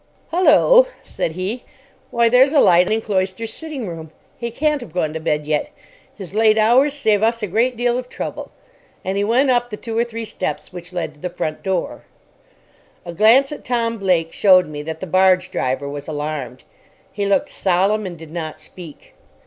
"Hullo!" said he. "Why, there's a light in Cloyster's sitting room. He can't have gone to bed yet. His late hours save us a great deal of trouble." And he went up the two or three steps which led to the front door. A glance at Tom Blake showed me that the barge driver was alarmed. He looked solemn and did not speak.